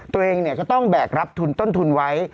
ตัวเองก็ต้องแบกรับทุนต้นทุนไว้